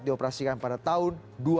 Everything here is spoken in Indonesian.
dioperasikan pada tahun